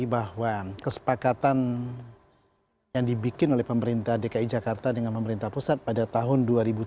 bahwa kesepakatan yang dibikin oleh pemerintah dki jakarta dengan pemerintah pusat pada tahun dua ribu tujuh belas